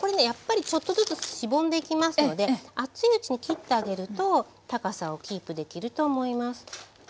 やっぱりちょっとずつしぼんでいきますので熱いうちに切ってあげると高さをキープできると思います。